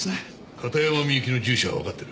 片山みゆきの住所はわかってる。